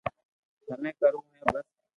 تنو ڪروہ ھي بس